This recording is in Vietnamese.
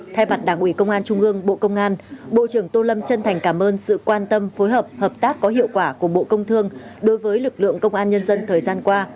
thay mặt đảng ủy công an trung ương bộ công an bộ trưởng tô lâm chân thành cảm ơn sự quan tâm phối hợp hợp tác có hiệu quả của bộ công thương đối với lực lượng công an nhân dân thời gian qua